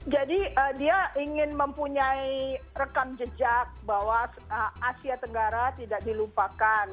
jadi dia ingin mempunyai rekam jejak bahwa asia tenggara tidak dilupakan